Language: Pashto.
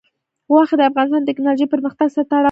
غوښې د افغانستان د تکنالوژۍ پرمختګ سره تړاو لري.